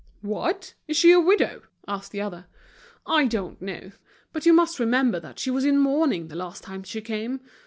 "What! is she a widow?" asked the other. "I don't know; but you must remember that she was in mourning the last time she came.